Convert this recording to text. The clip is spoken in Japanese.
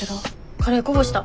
カレーこぼした。